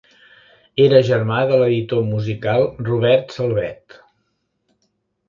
Era germà de l'editor musical Robert Salvet.